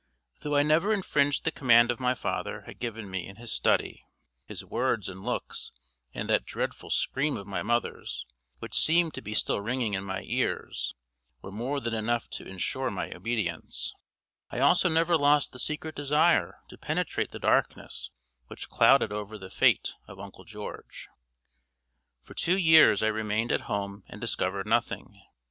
Though I never infringed the command my father had given me in his study (his words and looks, and that dreadful scream of my mother's, which seemed to be still ringing in my ears, were more than enough to insure my obedience), I also never lost the secret desire to penetrate the darkness which clouded over the fate of Uncle George. For two years I remained at home and discovered nothing.